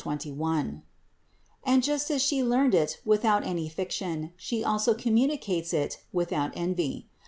7, 21); and just as She learned it without any fiction, She also communicates it without envy.